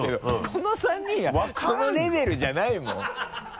この３人はそのレベルじゃないもん。